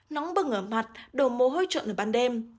nắng bừng ở mặt đồ mồ hôi trộn ở ban đêm